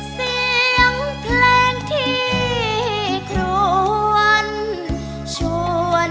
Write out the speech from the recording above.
เสียงเพลงที่กลัววันชวนใจหวัน